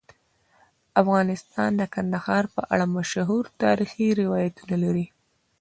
افغانستان د کندهار په اړه مشهور تاریخی روایتونه لري.